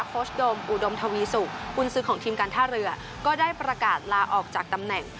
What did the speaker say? โชชโดมอุดมทวีสุกุญซื้อของทีมการท่าเรือก็ได้ประกาศลาออกจากตำแหน่ง